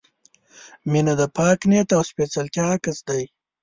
• مینه د پاک نیت او سپېڅلتیا عکس دی.